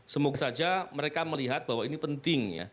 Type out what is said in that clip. semoga saja mereka melihat bahwa ini penting ya